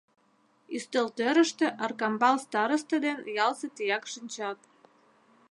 Ӱстел тӧрыштӧ Аркамбал старосто ден ялысе тияк шинчат.